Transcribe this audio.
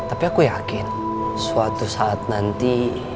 tapi aku yakin suatu saat nanti